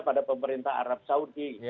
pada pemerintah arab saudi